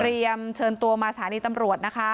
เชิญตัวมาสถานีตำรวจนะคะ